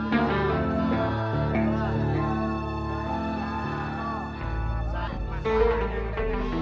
saat selesai madan mies rindut itu